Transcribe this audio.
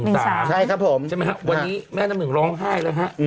ใช่ครับผมใช่ไหมครับวันนี้แม่น้ำหนึ่งร้องไห้แล้วฮะ